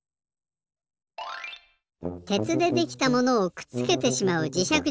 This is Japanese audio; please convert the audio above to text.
鉄でできたものをくっつけてしまうじしゃく